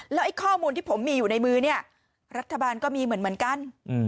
แล้วไอ้ข้อมูลที่ผมมีอยู่ในมือเนี่ยรัฐบาลก็มีเหมือนกัน